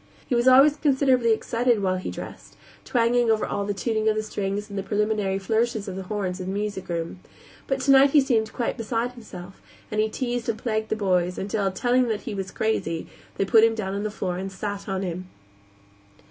He was always considerably excited while he dressed, twanging all over to the tuning of the strings and the preliminary flourishes of the horns in the music room; but tonight he seemed quite beside himself, and he teased and plagued the boys until, telling him that he was crazy, they put him down on the floor and sat on him.